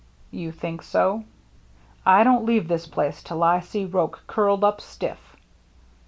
"You think so?" "I don't leave this place till I see Roche curled up stiff."